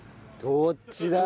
どっちだ？